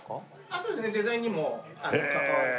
そうですねデザインにも関わって。